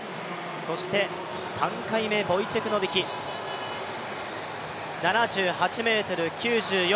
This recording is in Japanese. そして３回目、ボイチェク・ノビキ、７８ｍ９４。